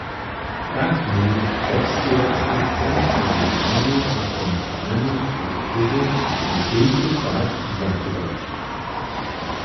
Tak měli wobstejacu teritorialnu a komunalnu strukturu na kóždy pad zachować.